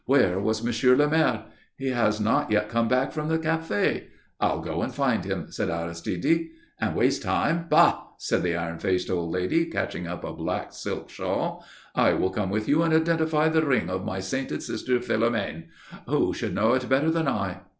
Where was Monsieur le Maire? "He has not yet come back from the café." "I'll go and find him," said Aristide. "And waste time? Bah!" said the iron faced old lady, catching up a black silk shawl. "I will come with you and identify the ring of my sainted sister Philomène. Who should know it better than I?"